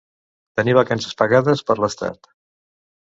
Tenir vacances pagades per l'estat.